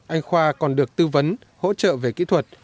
anh khoa còn được tư vấn hỗ trợ về kỹ thuật